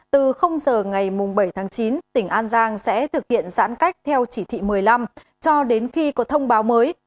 từ giờ ngày bảy tháng chín tỉnh an giang sẽ thực hiện giãn cách theo chỉ thị một mươi năm cho đến khi có thông báo mới